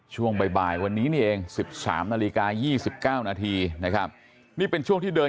ช่วงบ่ายวันนี้นี่เอง๑๓นาฬิกา๒๙นาทีนะครับนี่เป็นช่วงที่เดิน